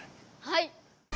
はい。